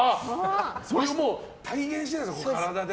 それをもう体現してるんですね、体で。